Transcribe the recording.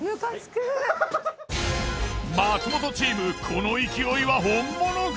松本チームこの勢いは本物か？